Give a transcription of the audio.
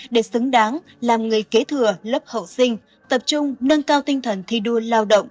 để xứng đáng làm người kế thừa lớp hậu sinh tập trung nâng cao tinh thần thi đua lao động